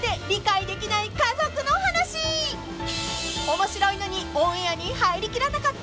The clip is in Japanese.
［面白いのにオンエアに入りきらなかった］